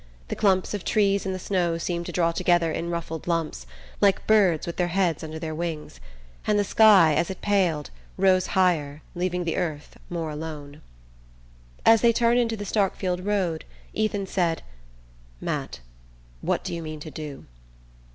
The clumps of trees in the snow seemed to draw together in ruffled lumps, like birds with their heads under their wings; and the sky, as it paled, rose higher, leaving the earth more alone. As they turned into the Starkfield road Ethan said: "Matt, what do you mean to do?"